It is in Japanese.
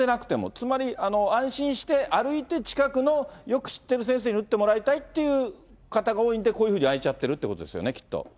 つまり安心して、歩いて近くのよく知ってる先生に打ってもらいたいっていう方が多いんで、こういうふうに空いちゃってるということですよね、きっと。